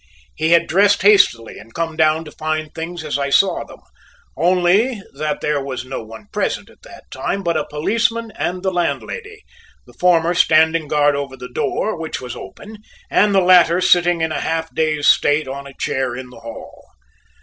He had dressed hastily and come down to find things as I saw them, only that there was no one present at that time but a policeman and the landlady, the former standing guard over the door, which was open, and the latter sitting in a half dazed state on a chair in the hall.